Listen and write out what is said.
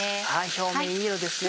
表面いい色ですね。